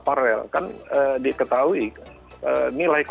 jadi ini akan sangat beresiko